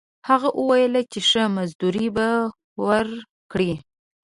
هغه وویل چې ښه مزدوري به ورکړي.